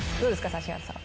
指原さん。